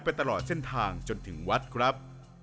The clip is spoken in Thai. ตลอดเส้นทางจนถึงวัดครับ